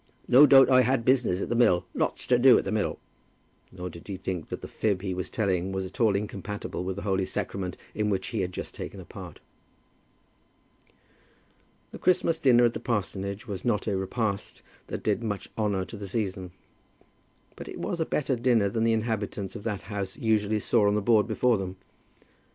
"No doubt I had business at the mill, lots to do at the mill." Nor did he think that the fib he was telling was at all incompatible with the Holy Sacrament in which he had just taken a part. The Christmas dinner at the parsonage was not a repast that did much honour to the season, but it was a better dinner than the inhabitants of that house usually saw on the board before them.